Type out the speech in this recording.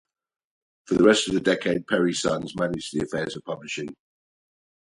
For the rest of the decade Perry's sons managed the affairs of publishing.